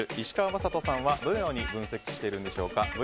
石川幹人さんはどのように分析しているでしょうか。